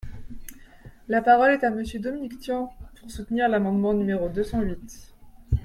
La parole est à Monsieur Dominique Tian, pour soutenir l’amendement numéro deux cent huit.